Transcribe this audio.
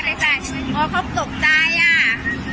โมทเขาตกใจอะ